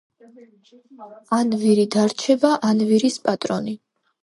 ან ვირი დარჩება, ან ვირის პატრონი.